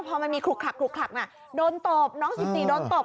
พอมันมีคลุกคลักอะโดนตกน้องสิติโดนตก